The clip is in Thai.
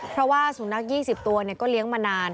เพราะว่าสุนัข๒๐ตัวก็เลี้ยงมานาน